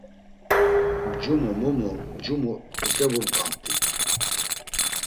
Mcumu, mumu, mcumu eǩevubğamt̆it.